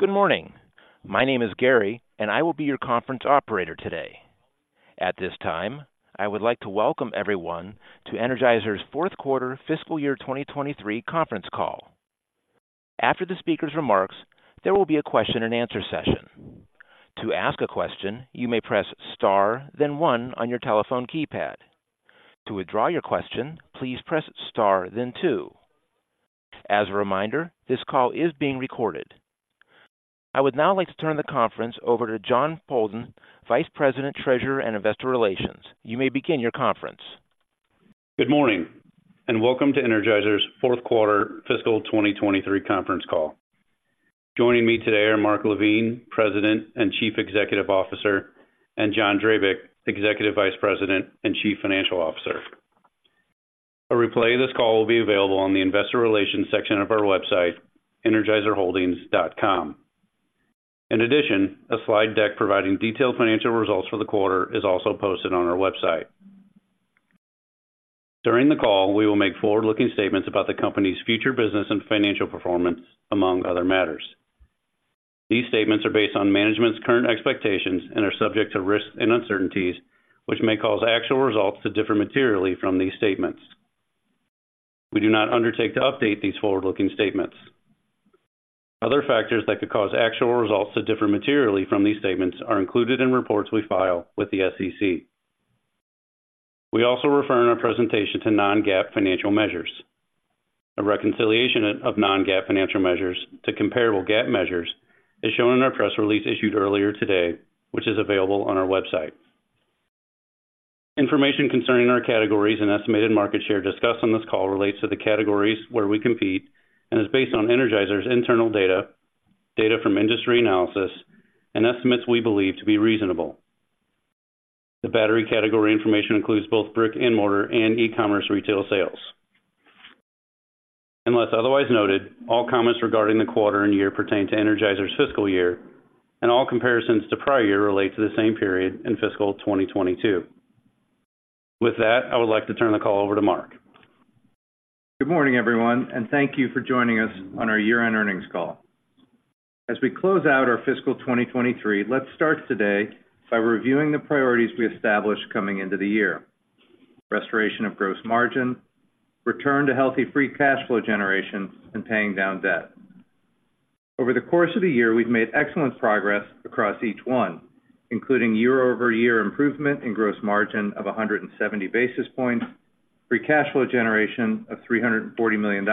Good morning. My name is Gary, and I will be your conference operator today. At this time, I would like to welcome everyone to Energizer's fourth quarter fiscal year 2023 conference call. After the speaker's remarks, there will be a question-and-answer session. To ask a question, you may press *, then 1 on your telephone keypad. To withdraw your question, please press *, then 2. As a reminder, this call is being recorded. I would now like to turn the conference over to Jon Poldan, Vice President, Treasurer, and Investor Relations. You may begin your conference. Good morning, and welcome to Energizer's fourth quarter fiscal 2023 conference call. Joining me today are Mark LaVigne, President and Chief Executive Officer, and John Drabik, Executive Vice President and Chief Financial Officer. A replay of this call will be available on the investor relations section of our website, energizerholdings.com. In addition, a slide deck providing detailed financial results for the quarter is also posted on our website. During the call, we will make forward-looking statements about the company's future business and financial performance, among other matters. These statements are based on management's current expectations and are subject to risks and uncertainties, which may cause actual results to differ materially from these statements. We do not undertake to update these forward-looking statements. Other factors that could cause actual results to differ materially from these statements are included in reports we file with the SEC. We also refer in our presentation to non-GAAP financial measures. A reconciliation of non-GAAP financial measures to comparable GAAP measures is shown in our press release issued earlier today, which is available on our website. Information concerning our categories and estimated market share discussed on this call relates to the categories where we compete and is based on Energizer's internal data, data from industry analysis, and estimates we believe to be reasonable. The battery category information includes both brick and mortar and e-commerce retail sales. Unless otherwise noted, all comments regarding the quarter and year pertain to Energizer's fiscal year, and all comparisons to prior year relate to the same period in fiscal 2022. With that, I would like to turn the call over to Mark. Good morning, everyone, and thank you for joining us on our year-end earnings call. As we close out our fiscal 2023, let's start today by reviewing the priorities we established coming into the year: restoration of gross margin, return to healthy free cash flow generation, and paying down debt. Over the course of the year, we've made excellent progress across each one, including year-over-year improvement in gross margin of 170 basis points, free cash flow generation of $340 million,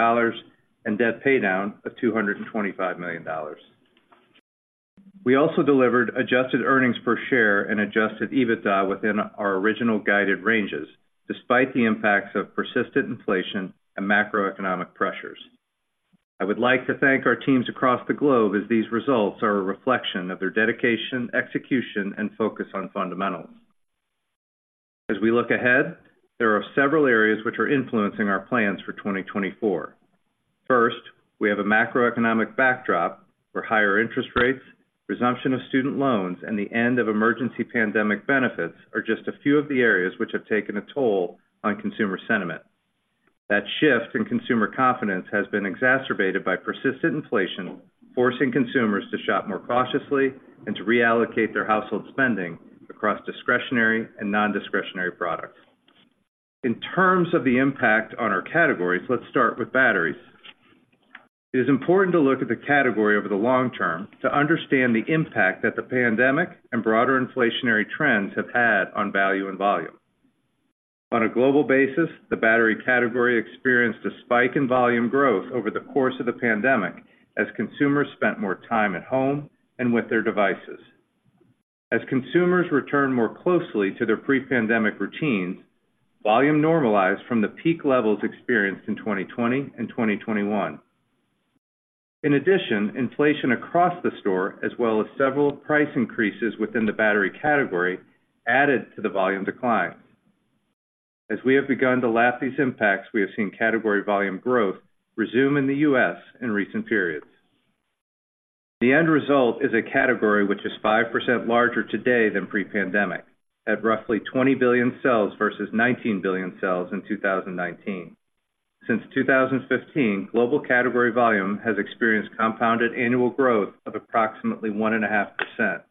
and debt paydown of $225 million. We also delivered adjusted earnings per share and adjusted EBITDA within our original guided ranges, despite the impacts of persistent inflation and macroeconomic pressures. I would like to thank our teams across the globe, as these results are a reflection of their dedication, execution, and focus on fundamentals. As we look ahead, there are several areas which are influencing our plans for 2024. First, we have a macroeconomic backdrop where higher interest rates, resumption of student loans, and the end of emergency pandemic benefits are just a few of the areas which have taken a toll on consumer sentiment. That shift in consumer confidence has been exacerbated by persistent inflation, forcing consumers to shop more cautiously and to reallocate their household spending across discretionary and nondiscretionary products. In terms of the impact on our categories, let's start with batteries. It is important to look at the category over the long term to understand the impact that the pandemic and broader inflationary trends have had on value and volume. On a global basis, the battery category experienced a spike in volume growth over the course of the pandemic as consumers spent more time at home and with their devices. As consumers return more closely to their pre-pandemic routines, volume normalized from the peak levels experienced in 2020 and 2021. In addition, inflation across the store, as well as several price increases within the battery category, added to the volume decline. As we have begun to lap these impacts, we have seen category volume growth resume in the U.S. in recent periods. The end result is a category which is 5% larger today than pre-pandemic, at roughly 20 billion cells versus 19 billion cells in 2019. Since 2015, global category volume has experienced compounded annual growth of approximately 1.5%.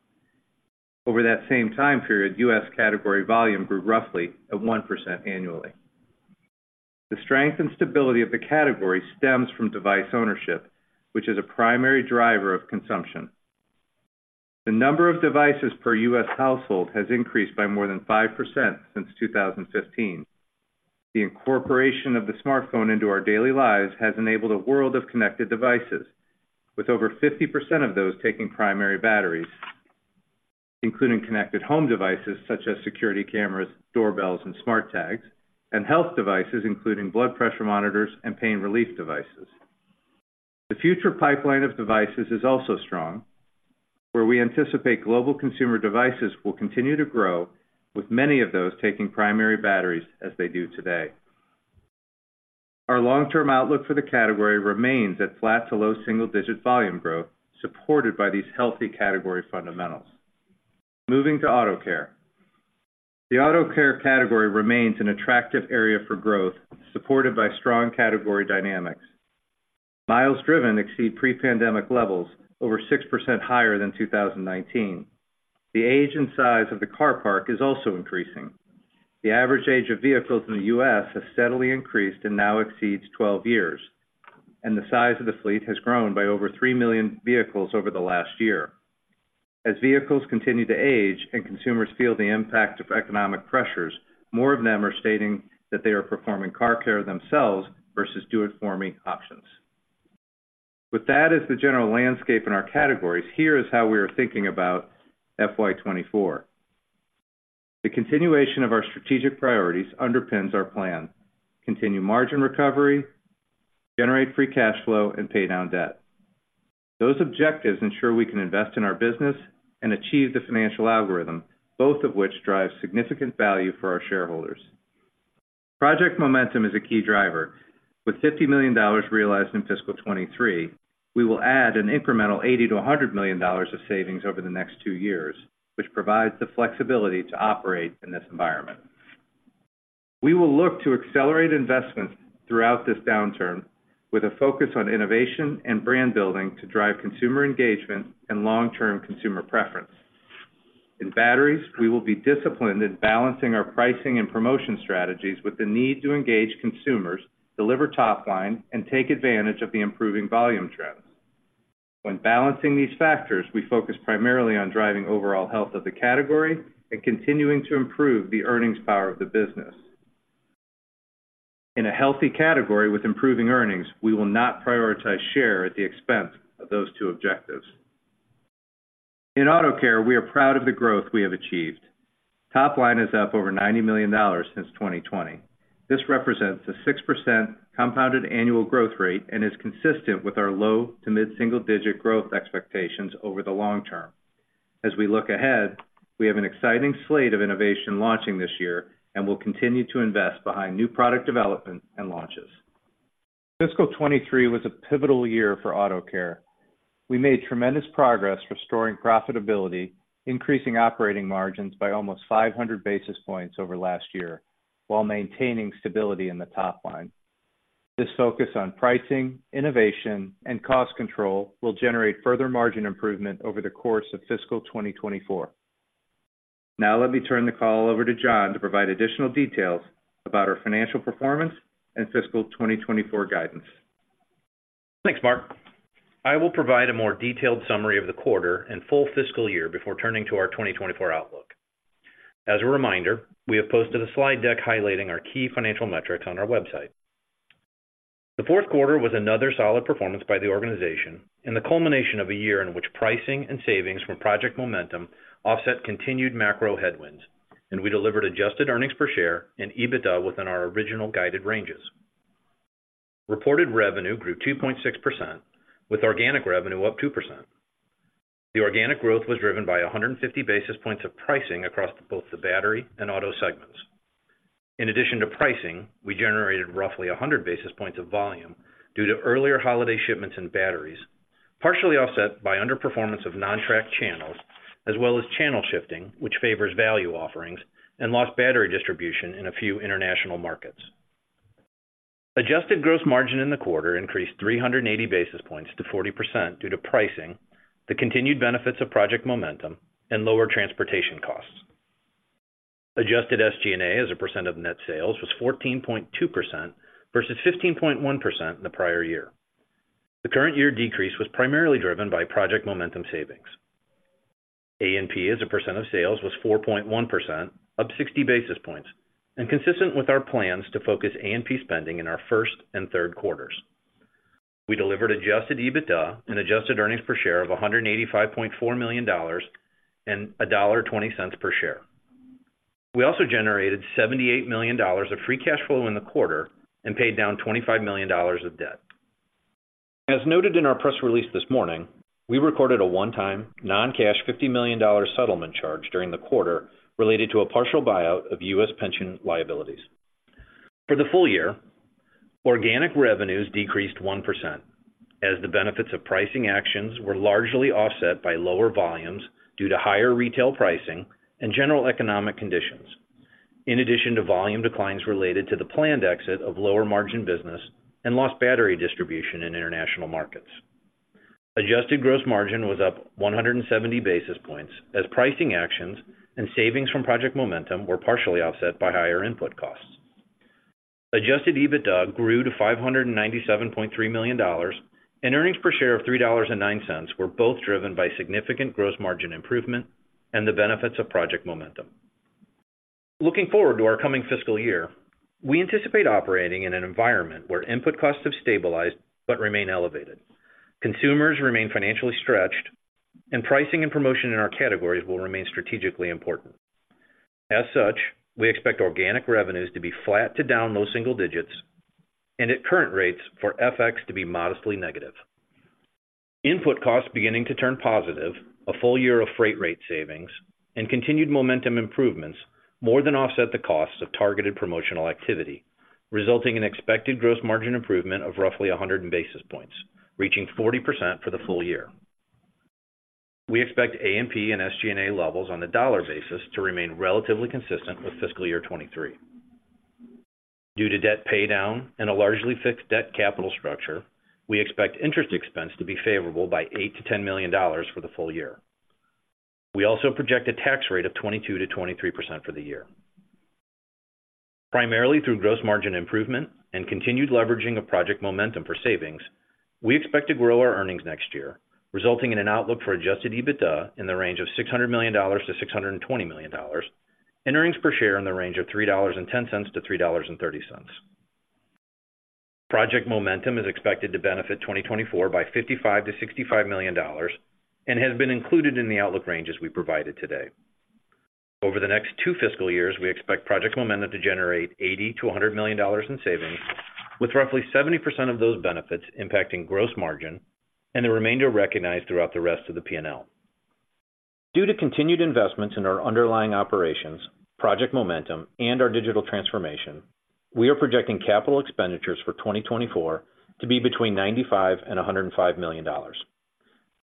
Over that same time period, U.S. category volume grew roughly at 1% annually. The strength and stability of the category stems from device ownership, which is a primary driver of consumption. The number of devices per U.S. household has increased by more than 5% since 2015. The incorporation of the smartphone into our daily lives has enabled a world of connected devices, with over 50% of those taking primary batteries, including connected home devices such as security cameras, doorbells, and smart tags, and health devices, including blood pressure monitors and pain relief devices. The future pipeline of devices is also strong, where we anticipate global consumer devices will continue to grow, with many of those taking primary batteries as they do today. Our long-term outlook for the category remains at flat to low single-digit volume growth, supported by these healthy category fundamentals. Moving to auto care. The auto care category remains an attractive area for growth, supported by strong category dynamics. Miles driven exceed pre-pandemic levels, over 6% higher than 2019. The age and size of the car park is also increasing. The average age of vehicles in the U.S. has steadily increased and now exceeds 12 years, and the size of the fleet has grown by over 3 million vehicles over the last year. As vehicles continue to age and consumers feel the impact of economic pressures, more of them are stating that they are performing car care themselves versus do-it-for-me options. With that as the general landscape in our categories, here is how we are thinking about FY 2024. The continuation of our strategic priorities underpins our plan: continue margin recovery, generate free cash flow, and pay down debt. Those objectives ensure we can invest in our business and achieve the financial algorithm, both of which drive significant value for our shareholders. Project Momentum is a key driver, with $50 million realized in fiscal 2023. We will add an incremental $80-$100 million of savings over the next two years, which provides the flexibility to operate in this environment. We will look to accelerate investments throughout this downturn with a focus on innovation and brand building to drive consumer engagement and long-term consumer preference. In batteries, we will be disciplined in balancing our pricing and promotion strategies with the need to engage consumers, deliver top line, and take advantage of the improving volume trends. When balancing these factors, we focus primarily on driving overall health of the category and continuing to improve the earnings power of the business. In a healthy category with improving earnings, we will not prioritize share at the expense of those two objectives. In auto care, we are proud of the growth we have achieved. Top line is up over $90 million since 2020. This represents a 6% compounded annual growth rate and is consistent with our low to mid-single digit growth expectations over the long term. As we look ahead, we have an exciting slate of innovation launching this year and will continue to invest behind new product development and launches. Fiscal 2023 was a pivotal year for auto care. We made tremendous progress restoring profitability, increasing operating margins by almost 500 basis points over last year, while maintaining stability in the top line. This focus on pricing, innovation, and cost control will generate further margin improvement over the course of fiscal 2024. Now, let me turn the call over to John to provide additional details about our financial performance and fiscal 2024 guidance. Thanks, Mark. I will provide a more detailed summary of the quarter and full fiscal year before turning to our 2024 outlook. As a reminder, we have posted a slide deck highlighting our key financial metrics on our website. The fourth quarter was another solid performance by the organization and the culmination of a year in which pricing and savings from Project Momentum offset continued macro headwinds, and we delivered adjusted earnings per share and EBITDA within our original guided ranges. Reported revenue grew 2.6%, with organic revenue up 2%. The organic growth was driven by 150 basis points of pricing across both the battery and auto segments. In addition to pricing, we generated roughly 100 basis points of volume due to earlier holiday shipments and batteries, partially offset by underperformance of non-track channels, as well as channel shifting, which favors value offerings and lost battery distribution in a few international markets. Adjusted Gross Margin in the quarter increased 380 basis points to 40% due to pricing, the continued benefits of Project Momentum, and lower transportation costs. Adjusted SG&A, as a percent of net sales, was 14.2% versus 15.1% in the prior year. The current year decrease was primarily driven by Project Momentum savings. A&P, as a percent of sales, was 4.1%, up 60 basis points, and consistent with our plans to focus A&P spending in our first and third quarters. We delivered adjusted EBITDA and adjusted earnings per share of $185.4 million and $1.20 per share. We also generated $78 million of free cash flow in the quarter and paid down $25 million of debt. As noted in our press release this morning, we recorded a one-time, non-cash $50 million settlement charge during the quarter related to a partial buyout of U.S. pension liabilities. For the full year, organic revenues decreased 1%, as the benefits of pricing actions were largely offset by lower volumes due to higher retail pricing and general economic conditions, in addition to volume declines related to the planned exit of lower-margin business and lost battery distribution in international markets. Adjusted gross margin was up 170 basis points, as pricing actions and savings from Project Momentum were partially offset by higher input costs. Adjusted EBITDA grew to $597.3 million, and earnings per share of $3.09 were both driven by significant gross margin improvement and the benefits of Project Momentum. Looking forward to our coming fiscal year, we anticipate operating in an environment where input costs have stabilized but remain elevated. Consumers remain financially stretched, and pricing and promotion in our categories will remain strategically important. As such, we expect organic revenues to be flat to down low single digits and, at current rates, for FX to be modestly negative. Input costs beginning to turn positive, a full year of freight rate savings, and continued Momentum improvements more than offset the costs of targeted promotional activity, resulting in expected gross margin improvement of roughly 100 basis points, reaching 40% for the full year. We expect A&P and SG&A levels on a dollar basis to remain relatively consistent with fiscal year 2023. Due to debt paydown and a largely fixed debt capital structure, we expect interest expense to be favorable by $8 million-$10 million for the full year. We also project a tax rate of 22%-23% for the year. Primarily through gross margin improvement and continued leveraging of Project Momentum for savings, we expect to grow our earnings next year, resulting in an outlook for adjusted EBITDA in the range of $600 million-$620 million, and earnings per share in the range of $3.10-$3.30. Project Momentum is expected to benefit 2024 by $55 million-$65 million and has been included in the outlook ranges we provided today. Over the next two fiscal years, we expect Project Momentum to generate $80 million-$100 million in savings, with roughly 70% of those benefits impacting gross margin and the remainder recognized throughout the rest of the P&L. Due to continued investments in our underlying operations, Project Momentum, and our digital transformation, we are projecting capital expenditures for 2024 to be between $95 million and $105 million.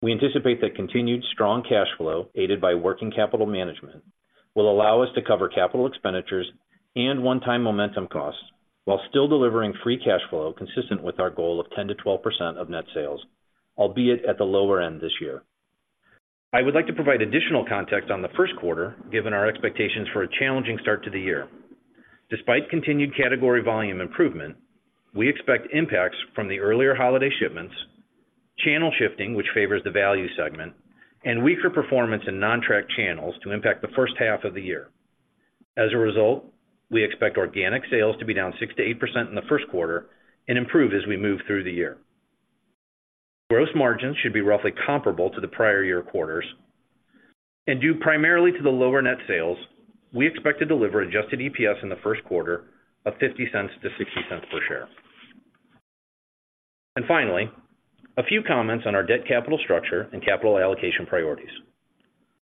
We anticipate that continued strong cash flow, aided by working capital management, will allow us to cover capital expenditures and one-time Momentum costs while still delivering free cash flow consistent with our goal of 10%-12% of net sales, albeit at the lower end this year. I would like to provide additional context on the first quarter, given our expectations for a challenging start to the year. Despite continued category volume improvement, we expect impacts from the earlier holiday shipments, channel shifting, which favors the value segment, and weaker performance in non-track channels to impact the first half of the year. As a result, we expect organic sales to be down 6%-8% in the first quarter and improve as we move through the year. Gross margins should be roughly comparable to the prior year quarters, and due primarily to the lower net sales, we expect to deliver adjusted EPS in the first quarter of $0.50-$0.60 per share. And finally, a few comments on our debt capital structure and capital allocation priorities.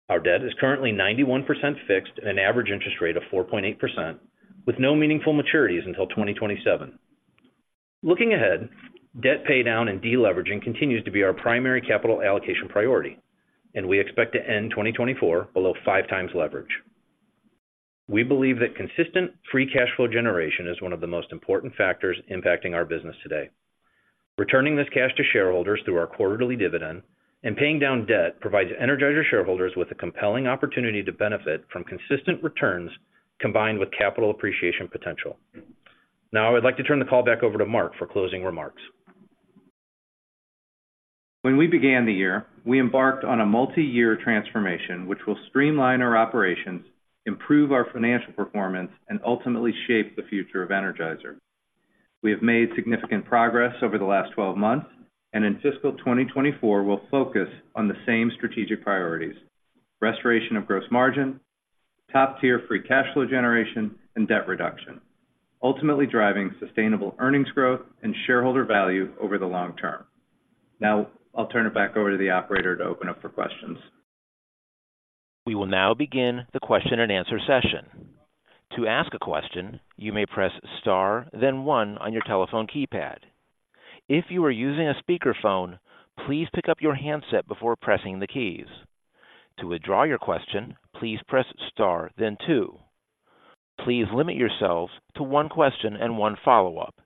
Our debt is currently 91% fixed at an average interest rate of 4.8%, with no meaningful maturities until 2027. Looking ahead, debt paydown and deleveraging continues to be our primary capital allocation priority, and we expect to end 2024 below 5x leverage. We believe that consistent free cash flow generation is one of the most important factors impacting our business today. Returning this cash to shareholders through our quarterly dividend and paying down debt provides Energizer shareholders with a compelling opportunity to benefit from consistent returns combined with capital appreciation potential. Now, I would like to turn the call back over to Mark for closing remarks. When we began the year, we embarked on a multiyear transformation, which will streamline our operations, improve our financial performance, and ultimately shape the future of Energizer. We have made significant progress over the last 12 months, and in fiscal 2024, we'll focus on the same strategic priorities: restoration of gross margin, top-tier free cash flow generation, and debt reduction, ultimately driving sustainable earnings growth and shareholder value over the long term. Now, I'll turn it back over to the operator to open up for questions. We will now begin the question-and-answer session. To ask a question, you may press *, then one on your telephone keypad. If you are using a speakerphone, please pick up your handset before pressing the keys. To withdraw your question, please press * then two. Please limit yourselves to one question and one follow-up.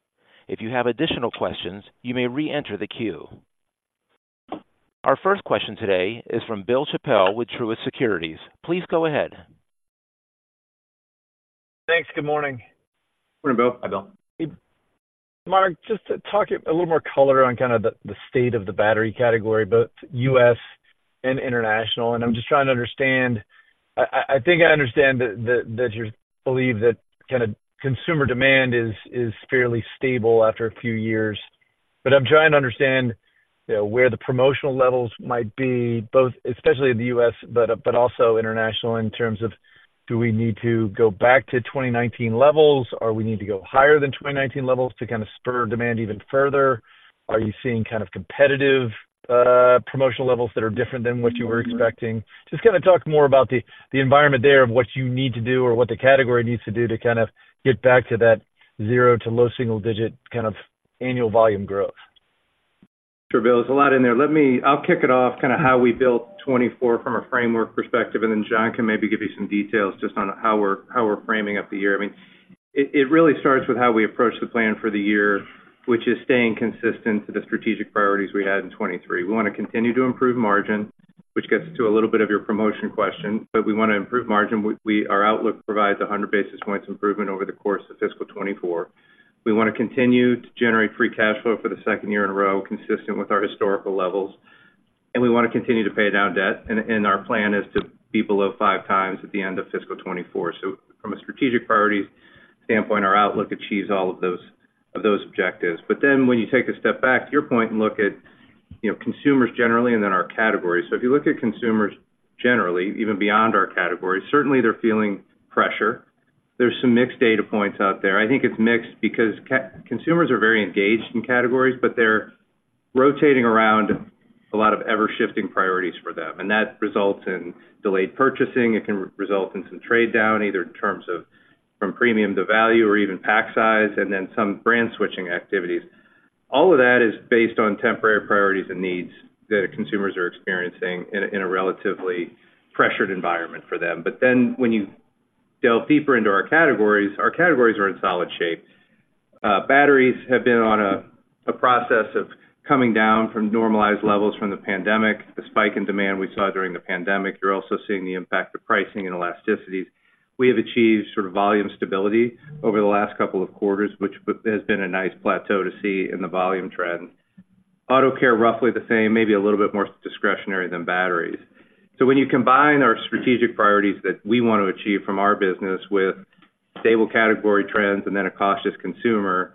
If you have additional questions, you may reenter the queue. Our first question today is from Bill Chappell with Truist Securities. Please go ahead. Thanks. Good morning. Good morning, Bill. Hi, Bill. Mark, just to talk a little more color on kind of the state of the battery category, both U.S. and international. And I'm just trying to understand... I think I understand that you believe that kind of consumer demand is fairly stable after a few years. But I'm trying to understand, you know, where the promotional levels might be, both especially in the U.S., but also international, in terms of, do we need to go back to 2019 levels, or we need to go higher than 2019 levels to kind of spur demand even further? Are you seeing kind of competitive promotional levels that are different than what you were expecting? Just kind of talk more about the environment there of what you need to do or what the category needs to do to kind of get back to that 0 to low single digit kind of annual volume growth. Sure, Bill, there's a lot in there. Let me, I'll kick it off, kind of how we built 2024 from a framework perspective, and then John can maybe give you some details just on how we're framing up the year. I mean, it really starts with how we approach the plan for the year, which is staying consistent to the strategic priorities we had in 2023. We want to continue to improve margin, which gets to a little bit of your promotion question, but we want to improve margin. Our outlook provides 100 basis points improvement over the course of fiscal 2024. We want to continue to generate free cash flow for the second year in a row, consistent with our historical levels, and we want to continue to pay down debt, and our plan is to be below 5x at the end of fiscal 2024. So from a strategic priority standpoint, our outlook achieves all of those objectives. But then when you take a step back, to your point, and look at, you know, consumers generally and then our categories. So if you look at consumers generally, even beyond our categories, certainly they're feeling pressure. There's some mixed data points out there. I think it's mixed because consumers are very engaged in categories, but they're rotating around a lot of ever-shifting priorities for them, and that results in delayed purchasing. It can result in some trade down, either in terms of from premium to value or even pack size, and then some brand switching activities. All of that is based on temporary priorities and needs that consumers are experiencing in a relatively pressured environment for them. But then when you... ... delve deeper into our categories, our categories are in solid shape. Batteries have been on a process of coming down from normalized levels from the pandemic, the spike in demand we saw during the pandemic. You're also seeing the impact of pricing and elasticities. We have achieved sort of volume stability over the last couple of quarters, which has been a nice plateau to see in the volume trend. Auto care, roughly the same, maybe a little bit more discretionary than batteries. So when you combine our strategic priorities that we want to achieve from our business with stable category trends and then a cautious consumer,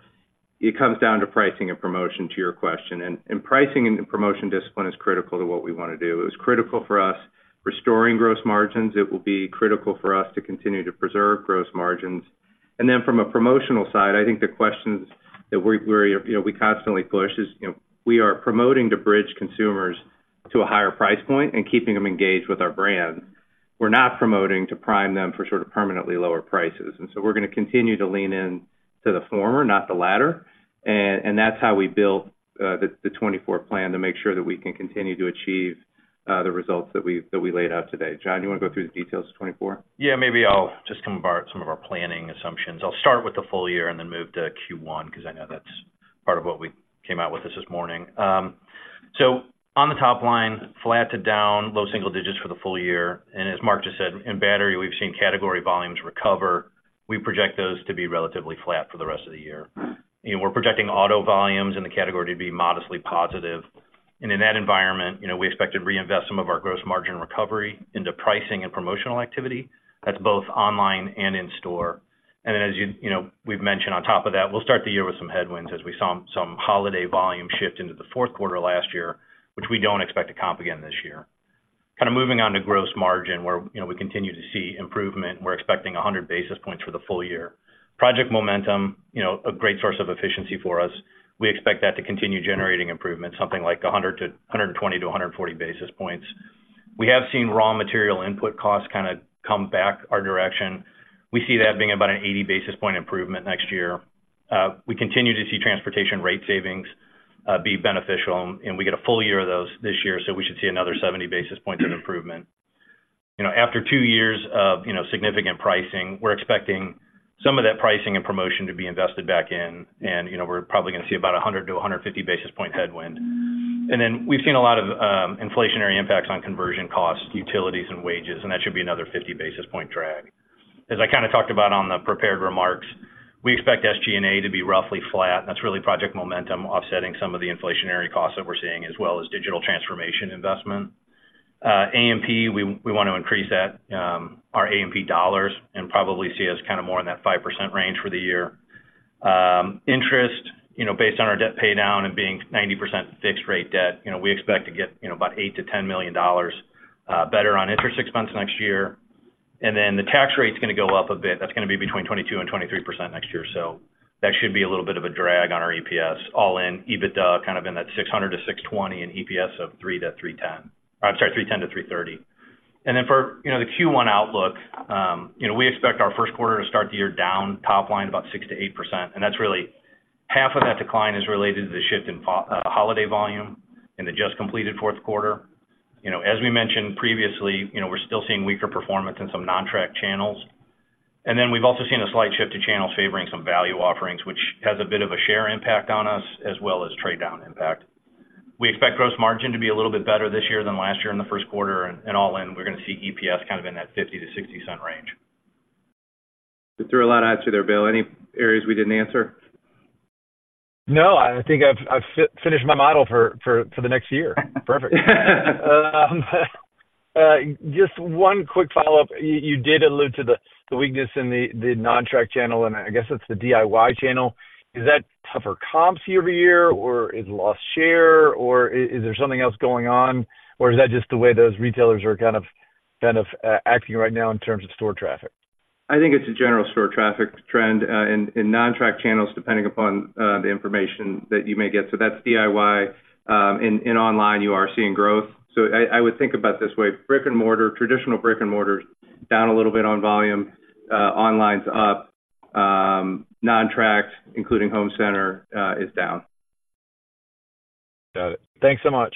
it comes down to pricing and promotion, to your question. And pricing and promotion discipline is critical to what we want to do. It was critical for us restoring gross margins. It will be critical for us to continue to preserve gross margins. And then from a promotional side, I think the questions that we're, you know, we constantly push is, you know, we are promoting to bridge consumers to a higher price point and keeping them engaged with our brand. We're not promoting to prime them for sort of permanently lower prices. And so we're gonna continue to lean in to the former, not the latter. And that's how we built the 2024 plan, to make sure that we can continue to achieve the results that we laid out today. John, you wanna go through the details of 2024? Yeah, maybe I'll just come about some of our planning assumptions. I'll start with the full year and then move to Q1, 'cause I know that's part of what we came out with this morning. So on the top line, flat to down, low single digits for the full year. And as Mark just said, in battery, we've seen category volumes recover. We project those to be relatively flat for the rest of the year. You know, we're projecting auto volumes in the category to be modestly positive. And in that environment, you know, we expect to reinvest some of our gross margin recovery into pricing and promotional activity. That's both online and in store. Then as you know, we've mentioned on top of that, we'll start the year with some headwinds as we saw some holiday volume shift into the fourth quarter last year, which we don't expect to comp again this year. Kind of moving on to gross margin, where, you know, we continue to see improvement. We're expecting 100 basis points for the full year. Project Momentum, you know, a great source of efficiency for us. We expect that to continue generating improvements, something like 120-140 basis points. We have seen raw material input costs kind of come back our direction. We see that being about an 80 basis point improvement next year. We continue to see transportation rate savings be beneficial, and we get a full year of those this year, so we should see another 70 basis points of improvement. You know, after two years of, you know, significant pricing, we're expecting some of that pricing and promotion to be invested back in, and, you know, we're probably gonna see about 100 to 150 basis point headwind. And then we've seen a lot of inflationary impacts on conversion costs, utilities and wages, and that should be another 50 basis point drag. As I kind of talked about on the prepared remarks, we expect SG&A to be roughly flat, and that's really Project Momentum, offsetting some of the inflationary costs that we're seeing, as well as digital transformation investment. A&P, we want to increase that, our A&P dollars, and probably see us kind of more in that 5% range for the year. Interest, you know, based on our debt paydown and being 90% fixed rate debt, you know, we expect to get, you know, about $8-$10 million better on interest expense next year. And then the tax rate is gonna go up a bit. That's gonna be between 22% and 23% next year. So that should be a little bit of a drag on our EPS, all in EBITDA, kind of in that 600-620 and EPS of $3-$3.10. I'm sorry, $3.10-$3.30. And then for, you know, the Q1 outlook, you know, we expect our first quarter to start the year down top line, about 6%-8%. And that's really, half of that decline is related to the shift in post-holiday volume in the just completed fourth quarter. You know, as we mentioned previously, you know, we're still seeing weaker performance in some non-track channels. And then we've also seen a slight shift to channels favoring some value offerings, which has a bit of a share impact on us, as well as trade down impact. We expect gross margin to be a little bit better this year than last year in the first quarter, and, and all in, we're gonna see EPS kind of in that $0.50-$0.60 range. We threw a lot at you there, Bill. Any areas we didn't answer? No, I think I've finished my model for the next year. Perfect. Just one quick follow-up. You did allude to the weakness in the non-track channel, and I guess that's the DIY channel. Is that tougher comps year-over-year, or is lost share, or is there something else going on? Or is that just the way those retailers are kind of acting right now in terms of store traffic? I think it's a general store traffic trend in non-track channels, depending upon the information that you may get. So that's DIY. In online, you are seeing growth. So I would think about it this way: brick-and-mortar, traditional brick-and-mortars, down a little bit on volume, online's up, non-track, including home center, is down. Got it. Thanks so much.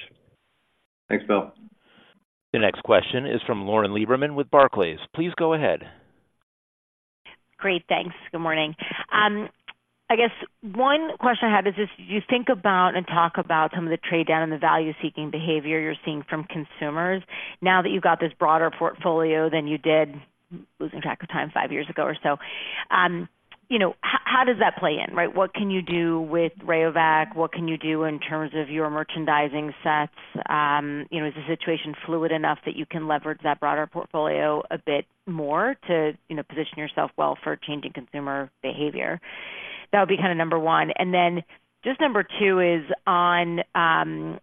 Thanks, Bill. The next question is from Lauren Lieberman with Barclays. Please go ahead. Great. Thanks. Good morning. I guess one question I have is, as you think about and talk about some of the trade down and the value-seeking behavior you're seeing from consumers, now that you've got this broader portfolio than you did, losing track of time, 5 years ago or so, you know, how does that play in, right? What can you do with Rayovac? What can you do in terms of your merchandising sets? You know, is the situation fluid enough that you can leverage that broader portfolio a bit more to, you know, position yourself well for changing consumer behavior? That would be kind of number one. And then, just number two is on, on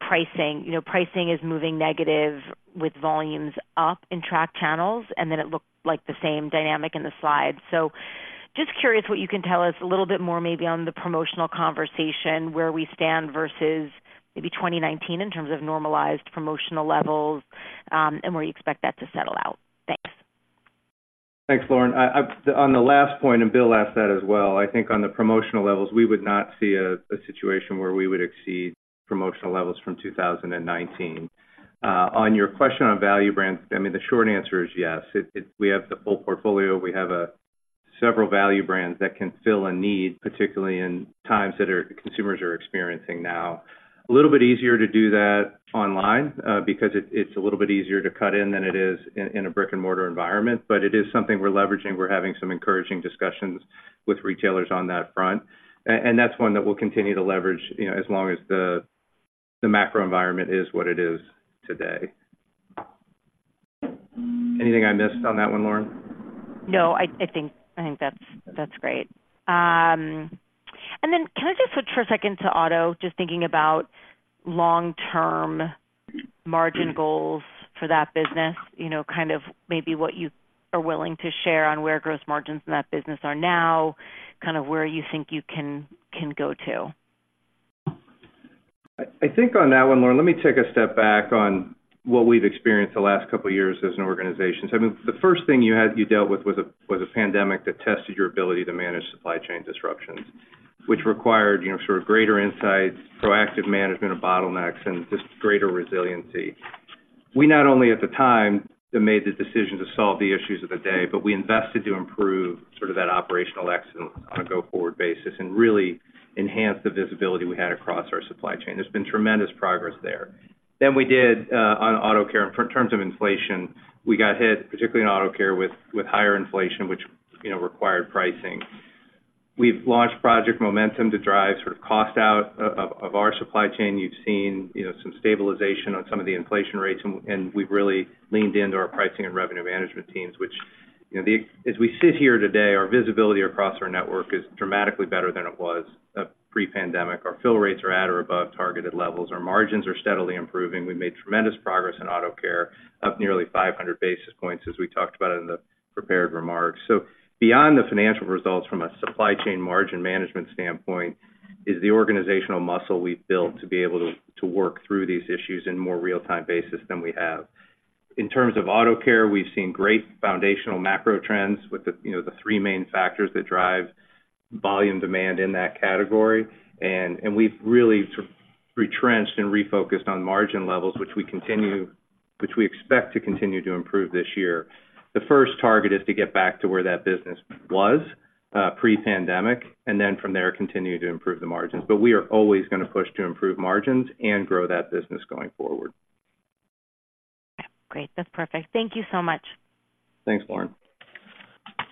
pricing. You know, pricing is moving negative with volumes up in track channels, and then it looked like the same dynamic in the slide. Just curious what you can tell us a little bit more, maybe on the promotional conversation, where we stand versus maybe 2019 in terms of normalized promotional levels, and where you expect that to settle out? Thanks. Thanks, Lauren. On the last point, and Bill asked that as well, I think on the promotional levels, we would not see a situation where we would exceed promotional levels from 2019. On your question on value brands, I mean, the short answer is yes. We have the full portfolio. We have several value brands that can fill a need, particularly in times that consumers are experiencing now. A little bit easier to do that online, because it's a little bit easier to cut in than it is in a brick-and-mortar environment, but it is something we're leveraging. We're having some encouraging discussions with retailers on that front, and that's one that we'll continue to leverage, you know, as long as the macro environment is what it is today. Anything I missed on that one, Lauren? No, I, I think, I think that's, that's great. And then can I just switch for a second to auto? Just thinking about long-term margin goals for that business, you know, kind of maybe what you are willing to share on where gross margins in that business are now, kind of where you think you can, can go to. I think on that one, Lauren, let me take a step back on what we've experienced the last couple of years as an organization. I mean, the first thing you dealt with was a pandemic that tested your ability to manage supply chain disruptions, which required, you know, sort of greater insights, proactive management of bottlenecks, and just greater resiliency. We not only at the time made the decision to solve the issues of the day, but we invested to improve sort of that operational excellence on a go-forward basis and really enhance the visibility we had across our supply chain. There's been tremendous progress there. Then we did on auto care, in terms of inflation, we got hit, particularly in auto care, with higher inflation, which, you know, required pricing. We've launched Project Momentum to drive sort of cost out of our supply chain. You've seen, you know, some stabilization on some of the inflation rates, and we've really leaned into our pricing and revenue management teams, which, you know, as we sit here today, our visibility across our network is dramatically better than it was pre-pandemic. Our fill rates are at or above targeted levels. Our margins are steadily improving. We've made tremendous progress in auto care, up nearly 500 basis points, as we talked about in the prepared remarks. So beyond the financial results from a supply chain margin management standpoint is the organizational muscle we've built to be able to work through these issues in more real-time basis than we have. In terms of auto care, we've seen great foundational macro trends with the, you know, the three main factors that drive volume demand in that category. And we've really sort of retrenched and refocused on margin levels, which we expect to continue to improve this year. The first target is to get back to where that business was pre-pandemic, and then from there, continue to improve the margins. But we are always gonna push to improve margins and grow that business going forward. Great. That's perfect. Thank you so much. Thanks, Lauren.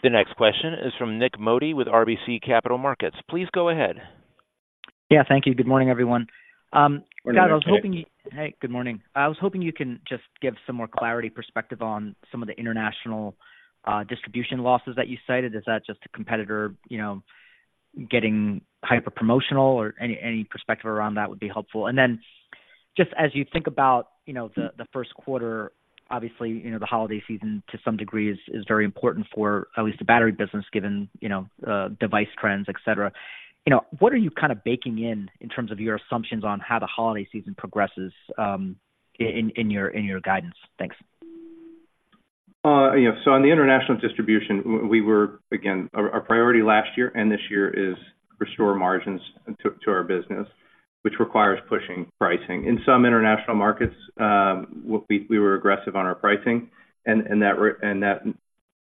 The next question is from Nik Modi with RBC Capital Markets. Please go ahead. Yeah, thank you. Good morning, everyone. I was hoping- Good morning, Nik. Hey, good morning. I was hoping you can just give some more clarity perspective on some of the international distribution losses that you cited. Is that just a competitor, you know, getting hyper promotional or any perspective around that would be helpful. And then just as you think about, you know, the first quarter, obviously, you know, the holiday season to some degree is very important for at least the battery business, given, you know, device trends, et cetera. You know, what are you kind of baking in, in terms of your assumptions on how the holiday season progresses, in your guidance? Thanks. You know, so on the international distribution, we were... Again, our priority last year and this year is restore margins to our business, which requires pushing pricing. In some international markets, we were aggressive on our pricing, and that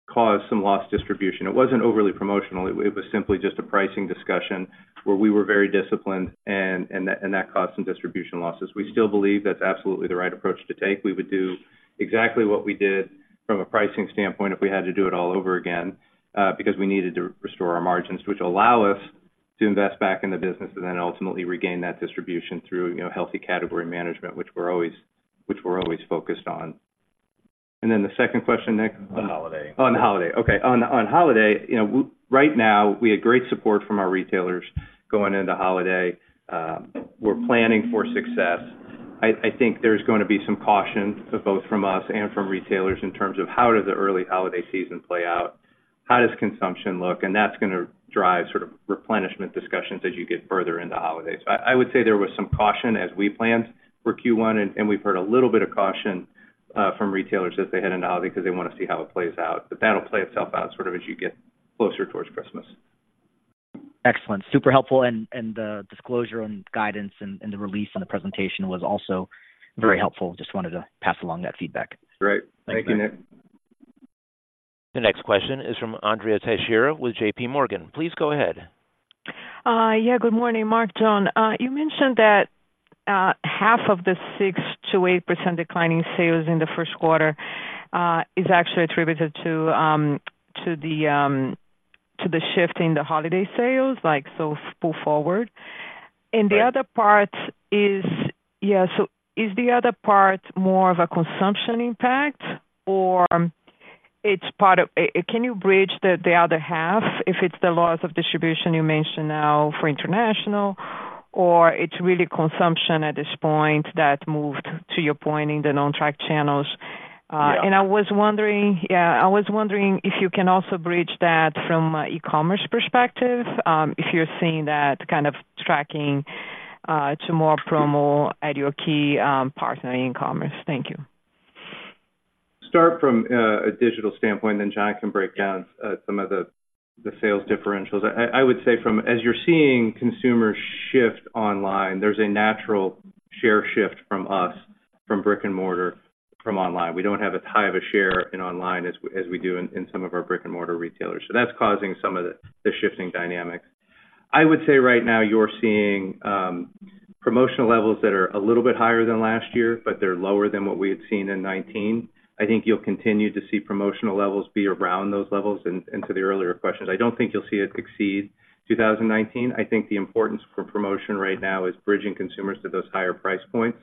caused some lost distribution. It wasn't overly promotional. It was simply just a pricing discussion where we were very disciplined and that caused some distribution losses. We still believe that's absolutely the right approach to take. We would do exactly what we did from a pricing standpoint if we had to do it all over again, because we needed to restore our margins, which allow us to invest back in the business and then ultimately regain that distribution through, you know, healthy category management, which we're always focused on. And then the second question, Nik? On holiday. On holiday. Okay. On holiday, you know, right now, we had great support from our retailers going into holiday. We're planning for success. I think there's gonna be some caution, both from us and from retailers, in terms of how does the early holiday season play out? How does consumption look? And that's gonna drive sort of replenishment discussions as you get further into holidays. I would say there was some caution as we planned for Q1, and we've heard a little bit of caution from retailers as they head into holiday because they want to see how it plays out. But that'll play itself out sort of as you get closer towards Christmas. Excellent. Super helpful, and, and the disclosure on guidance and, and the release on the presentation was also very helpful. Just wanted to pass along that feedback. Great. Thank you, Nik. The next question is from Andrea Teixeira with JPMorgan. Please go ahead. Yeah, good morning, Mark, John. You mentioned that half of the 6%-8% decline in sales in the first quarter is actually attributed to the shift in the holiday sales, like, so pull forward. The other part is... Yeah, so is the other part more of a consumption impact or it's part of, can you bridge the other half if it's the loss of distribution you mentioned now for international, or it's really consumption at this point that moved, to your point, in the non-track channels? Yeah. And I was wondering, yeah, I was wondering if you can also bridge that from an e-commerce perspective, if you're seeing that kind of tracking to more promo at your key partner in e-commerce. Thank you. Start from a digital standpoint, then John can break down some of the sales differentials. I would say from, as you're seeing consumers shift online, there's a natural share shift from us from brick-and-mortar, from online. We don't have as high of a share in online as we do in some of our brick-and-mortar retailers. So that's causing some of the shifting dynamics. I would say right now, you're seeing promotional levels that are a little bit higher than last year, but they're lower than what we had seen in 2019. I think you'll continue to see promotional levels be around those levels. And to the earlier questions, I don't think you'll see it exceed 2019. I think the importance for promotion right now is bridging consumers to those higher price points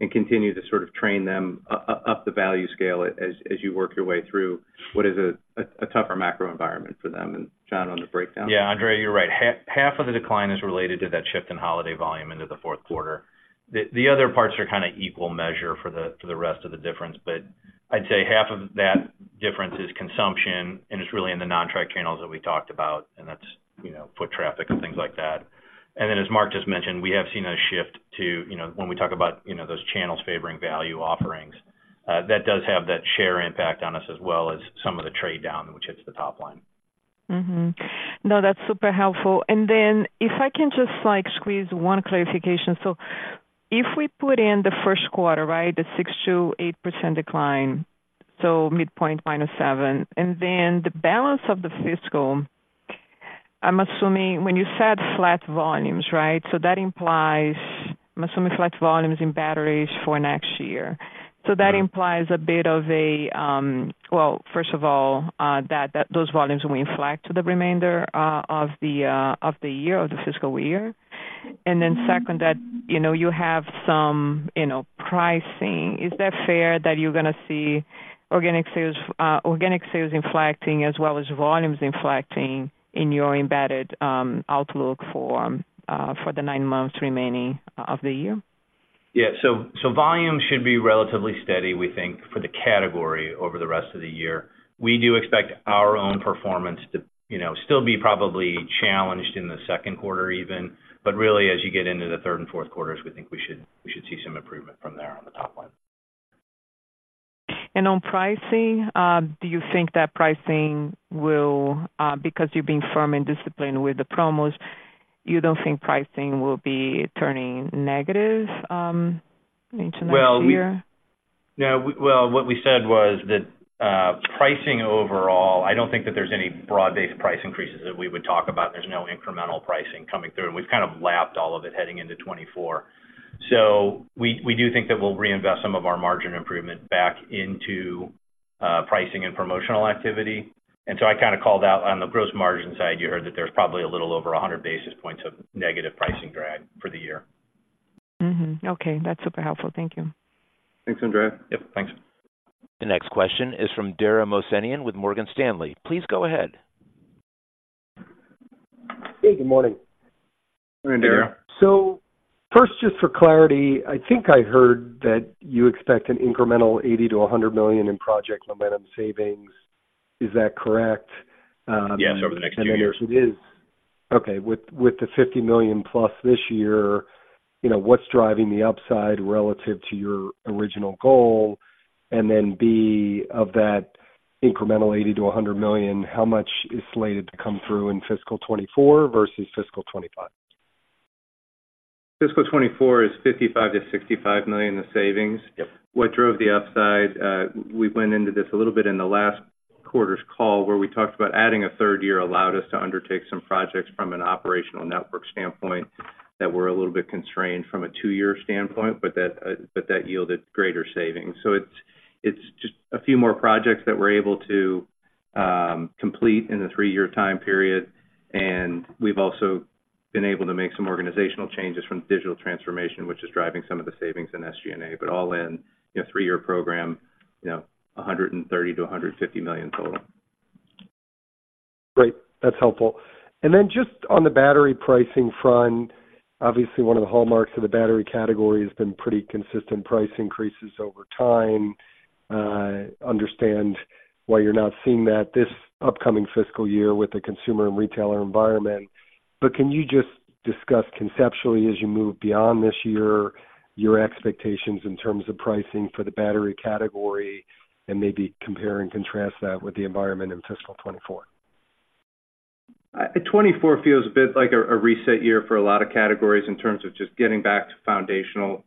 and continue to sort of train them up the value scale as you work your way through what is a tougher macro environment for them. And, John, on the breakdown? Yeah, Andrea, you're right. Half of the decline is related to that shift in holiday volume into the fourth quarter. The other parts are kind of equal measure for the rest of the difference, but I'd say half of that difference is consumption, and it's really in the non-track channels that we talked about, and that's, you know, foot traffic and things like that. And then, as Mark just mentioned, we have seen a shift to, you know, when we talk about, you know, those channels favoring value offerings, that does have that share impact on us, as well as some of the trade down, which hits the top line. Mm-hmm. No, that's super helpful. And then if I can just, like, squeeze one clarification. So if we put in the first quarter, right, the 6%-8% decline, so midpoint minus 7%, and then the balance of the fiscal, I'm assuming when you said flat volumes, right? So that implies, I'm assuming flat volumes in batteries for next year. So that implies a bit of a... Well, first of all, that those volumes will inflect to the remainder of the year, of the fiscal year. And then second, that, you know, you have some, you know, pricing. Is that fair, that you're gonna see organic sales, organic sales inflecting as well as volumes inflecting in your embedded outlook for the nine months remaining of the year? Yeah. So, volume should be relatively steady, we think, for the category over the rest of the year. We do expect our own performance to, you know, still be probably challenged in the second quarter even. But really, as you get into the third and fourth quarters, we think we should see some improvement from there on the top line. On pricing, do you think that pricing will, because you're being firm and disciplined with the promos, you don't think pricing will be turning negative into next year? Well, yeah, we, well, what we said was that pricing overall, I don't think that there's any broad-based price increases that we would talk about. There's no incremental pricing coming through, and we've kind of lapped all of it heading into 2024. So we, we do think that we'll reinvest some of our margin improvement back into pricing and promotional activity. And so I kind of called out on the gross margin side, you heard that there's probably a little over 100 basis points of negative pricing drag for the year. Mm-hmm. Okay, that's super helpful. Thank you. Thanks, Andrea. Yep, thanks. The next question is from Dara Mohsenian with Morgan Stanley. Please go ahead. Hey, good morning. Good morning, Dara. First, just for clarity, I think I heard that you expect an incremental $80 million-$100 million in Project Momentum savings. Is that correct? Yes, over the next few years. If it is okay with the $50 million plus this year, you know, what's driving the upside relative to your original goal? Then, B, of that incremental $80 million-$100 million, how much is slated to come through in fiscal 2024 versus fiscal 2025? Fiscal 2024 is $55 million-$65 million in savings. Yep. What drove the upside? We went into this a little bit in the last quarter's call, where we talked about adding a third year allowed us to undertake some projects from an operational network standpoint that were a little bit constrained from a two-year standpoint, but that, but that yielded greater savings. So it's, it's just a few more projects that we're able to complete in the three-year time period, and we've also been able to make some organizational changes from the digital transformation, which is driving some of the savings in SG&A. But all in, you know, three-year program, you know, $130 million-$150 million total. Great. That's helpful. And then just on the battery pricing front, obviously one of the hallmarks of the battery category has been pretty consistent price increases over time. Understand why you're not seeing that this upcoming fiscal year with the consumer and retailer environment. But can you just discuss conceptually, as you move beyond this year, your expectations in terms of pricing for the battery category, and maybe compare and contrast that with the environment in fiscal 2024? 2024 feels a bit like a reset year for a lot of categories in terms of just getting back to foundational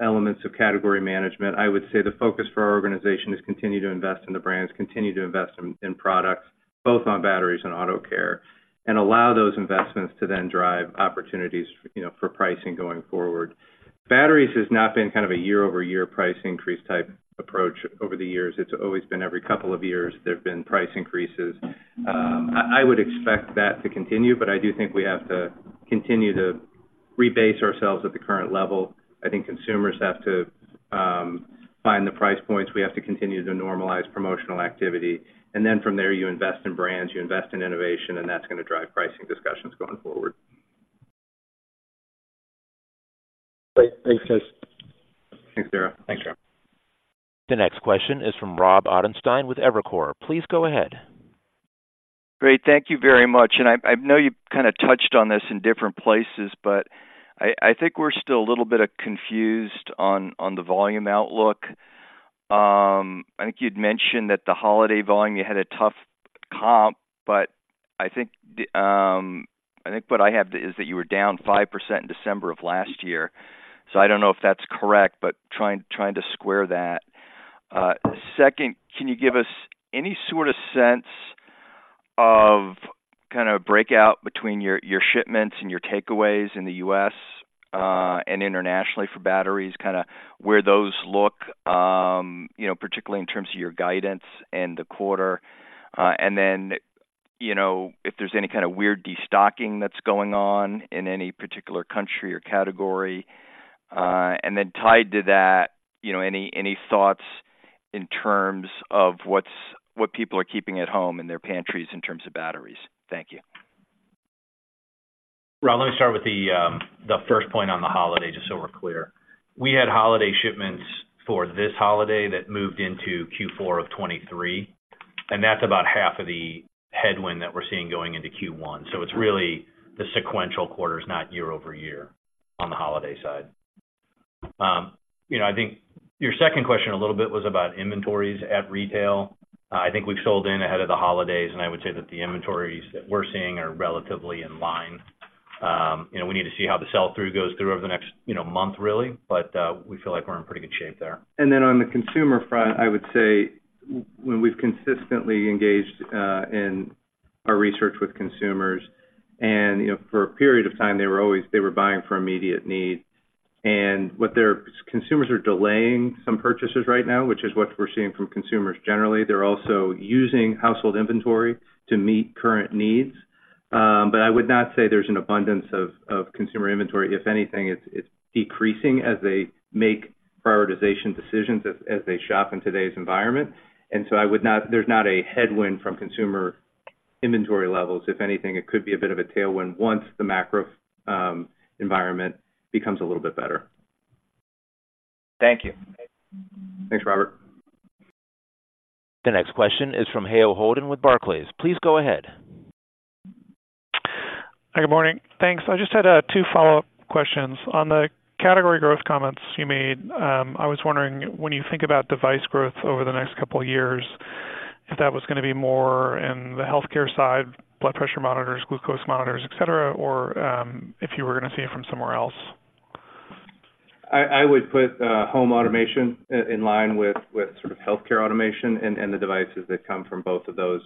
elements of category management. I would say the focus for our organization is continue to invest in the brands, continue to invest in products, both on batteries and auto care, and allow those investments to then drive opportunities, you know, for pricing going forward. Batteries has not been kind of a year-over-year price increase type approach over the years. It's always been every couple of years, there have been price increases. I would expect that to continue, but I do think we have to continue to rebase ourselves at the current level. I think consumers have to find the price points. We have to continue to normalize promotional activity, and then from there, you invest in brands, you invest in innovation, and that's gonna drive pricing discussions going forward. Great. Thanks, guys. Thanks, Dara. Thanks, Dara. The next question is from Rob Ottenstein with Evercore. Please go ahead. Great. Thank you very much. And I know you kind of touched on this in different places, but I think we're still a little bit confused on the volume outlook. I think you'd mentioned that the holiday volume, you had a tough comp, but I think what I have is that you were down 5% in December of last year. So I don't know if that's correct, but trying to square that. Second, can you give us any sort of sense of kind of breakout between your shipments and your takeaways in the U.S. and internationally for batteries, kind of where those look, you know, particularly in terms of your guidance and the quarter? And then, you know, if there's any kind of weird destocking that's going on in any particular country or category. And then tied to that, you know, any thoughts in terms of what people are keeping at home in their pantries in terms of batteries? Thank you. Rob, let me start with the first point on the holiday, just so we're clear. We had holiday shipments for this holiday that moved into Q4 of 2023, and that's about half of the headwind that we're seeing going into Q1. So it's really the sequential quarters, not year-over-year on the holiday side. You know, I think your second question a little bit was about inventories at retail. I think we've sold in ahead of the holidays, and I would say that the inventories that we're seeing are relatively in line. You know, we need to see how the sell-through goes through over the next month, really, but we feel like we're in pretty good shape there. Then on the consumer front, I would say when we've consistently engaged in our research with consumers, and, you know, for a period of time, they were always, they were buying for immediate need. And what they're... Consumers are delaying some purchases right now, which is what we're seeing from consumers generally. They're also using household inventory to meet current needs. But I would not say there's an abundance of consumer inventory. If anything, it's decreasing as they make prioritization decisions as they shop in today's environment. And so I would not-- there's not a headwind from consumer inventory levels. If anything, it could be a bit of a tailwind once the macro environment becomes a little bit better. Thank you. Thanks, Robert. The next question is from Hale Holden with Barclays. Please go ahead. Hi, good morning. Thanks. I just had two follow-up questions. On the category growth comments you made, I was wondering, when you think about device growth over the next couple of years, if that was gonna be more in the healthcare side, blood pressure monitors, glucose monitors, et cetera, or, if you were gonna see it from somewhere else? I would put home automation in line with sort of healthcare automation and the devices that come from both of those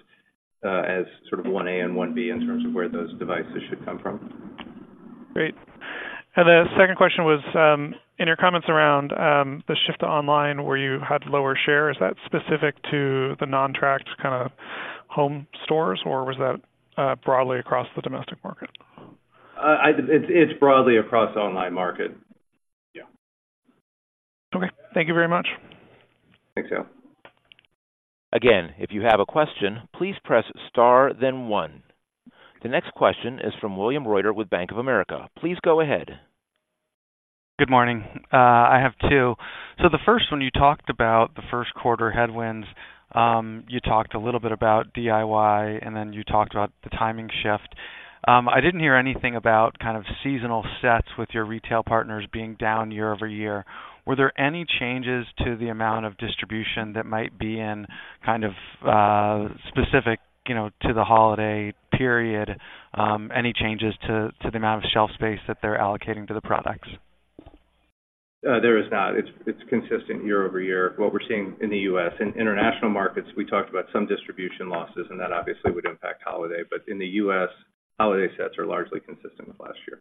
as sort of one A and one B in terms of where those devices should come from. Great. And the second question was, in your comments around the shift to online, where you had lower share, is that specific to the non-track kind of home stores, or was that broadly across the domestic market? It's broadly across the online market. Yeah. Okay. Thank you very much. Thanks, Hale. Again, if you have a question, please press star, then one. The next question is from William Reuter with Bank of America. Please go ahead. Good morning. I have two. So the first one, you talked about the first quarter headwinds. You talked a little bit about DIY, and then you talked about the timing shift. I didn't hear anything about kind of seasonal sets with your retail partners being down year-over-year. Were there any changes to the amount of distribution that might be in kind of specific, you know, to the holiday period? Any changes to the amount of shelf space that they're allocating to the products? There is not. It's consistent year-over-year, what we're seeing in the U.S. In international markets, we talked about some distribution losses, and that obviously would impact holiday, but in the U.S., holiday sets are largely consistent with last year.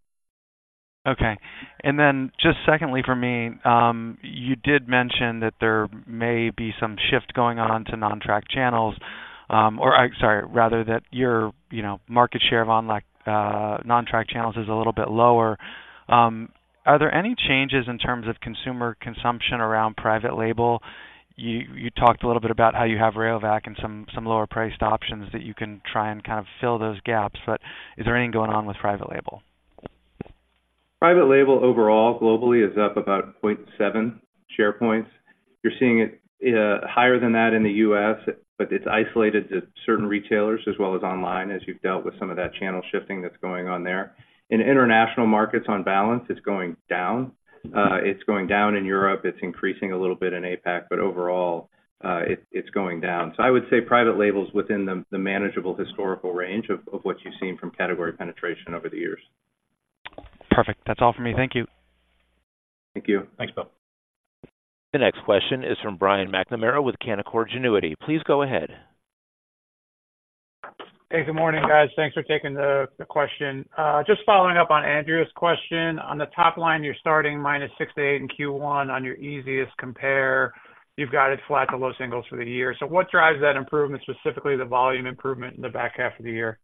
Okay. And then just secondly, for me, you did mention that there may be some shift going on to non-tracked channels. Or sorry, rather, that your, you know, market share of online, non-tracked channels is a little bit lower. Are there any changes in terms of consumer consumption around private label? You, you talked a little bit about how you have Rayovac and some, some lower priced options that you can try and kind of fill those gaps, but is there anything going on with private label? Private label overall, globally, is up about 0.7 share points. You're seeing it higher than that in the U.S., but it's isolated to certain retailers as well as online, as you've dealt with some of that channel shifting that's going on there. In international markets, on balance, it's going down. It's going down in Europe, it's increasing a little bit in APAC, but overall, it's going down. So I would say private label is within the manageable historical range of what you've seen from category penetration over the years. Perfect. That's all for me. Thank you. Thank you. Thanks, Will. The next question is from Brian McNamara with Canaccord Genuity. Please go ahead. Hey, good morning, guys. Thanks for taking the question. Just following up on Andrea's question. On the top line, you're starting -6%-8% in Q1 on your easiest compare. You've got it flat to low singles for the year. So what drives that improvement, specifically the volume improvement in the back half of the year?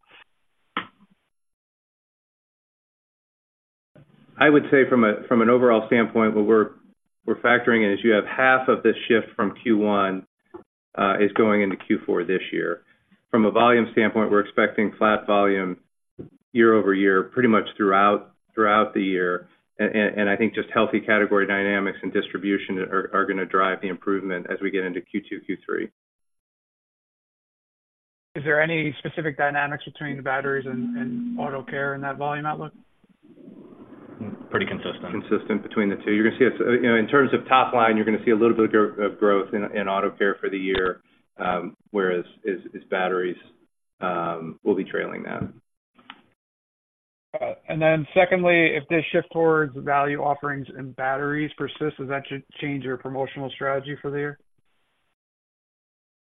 I would say from an overall standpoint, what we're factoring in is you have half of this shift from Q1 is going into Q4 this year. From a volume standpoint, we're expecting flat volume year over year, pretty much throughout the year. And I think just healthy category dynamics and distribution are gonna drive the improvement as we get into Q2, Q3. Is there any specific dynamics between the batteries and auto care in that volume outlook? Pretty consistent. Consistent between the two. You're gonna see, you know, in terms of top line, you're gonna see a little bit of growth in auto care for the year, whereas batteries will be trailing that. And then secondly, if this shift towards value offerings and batteries persists, does that change your promotional strategy for the year?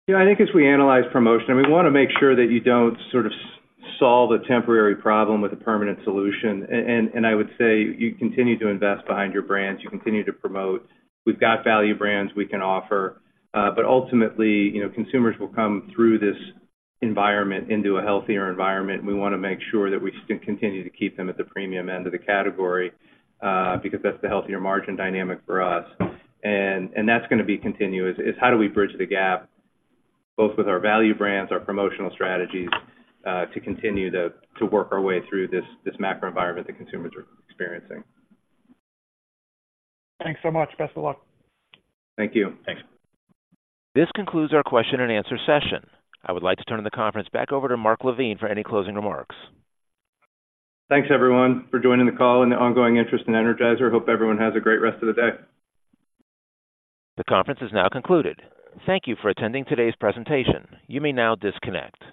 You know, I think as we analyze promotion, we want to make sure that you don't sort of solve a temporary problem with a permanent solution. And I would say you continue to invest behind your brands, you continue to promote. We've got value brands we can offer, but ultimately, you know, consumers will come through this environment into a healthier environment. We want to make sure that we continue to keep them at the premium end of the category, because that's the healthier margin dynamic for us. And that's gonna be continuous, is how do we bridge the gap, both with our value brands, our promotional strategies, to continue to work our way through this macro environment that consumers are experiencing. Thanks so much. Best of luck. Thank you. Thanks. This concludes our question and answer session. I would like to turn the conference back over to Mark LaVigne for any closing remarks. Thanks, everyone, for joining the call and the ongoing interest in Energizer. Hope everyone has a great rest of the day. The conference is now concluded. Thank you for attending today's presentation. You may now disconnect.